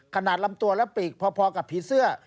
ลำตัวและปีกพอกับผีเสื้อ